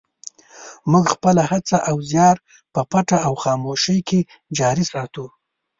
موږ خپله هڅه او زیار په پټه او خاموشۍ کې جاري ساتو.